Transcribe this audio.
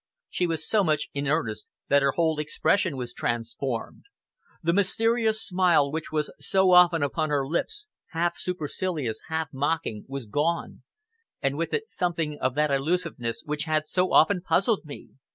She was so much in earnest that her whole expression was transformed. The mysterious smile which was so often upon her lips, half supercilious, half mocking, was gone, and with it something of that elusiveness which had so often puzzled me!